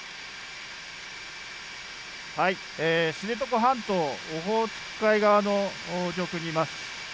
知床半島オホーツク海側の上空にいます。